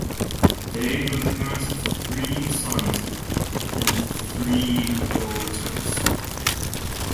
They were the parents of three sons and three daughters.